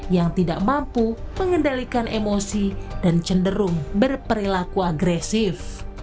yang tidak mampu mengendalikan emosi dan cenderung berperilaku agresif